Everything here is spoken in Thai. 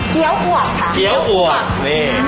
เกี้ยวอวบค่ะ